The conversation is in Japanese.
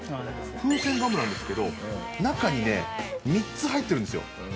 風船ガムなんですけど中に３つ入ってるんですよ。